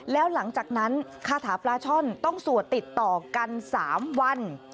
แล้วหลังจากนั้นคาถาปลาช่อนต้องสวดติดต่อกัน๓วัน